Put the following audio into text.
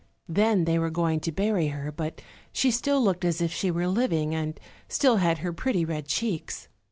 Then they were going to bury her, but she still looked as if she were living, and still had her pretty red cheeks.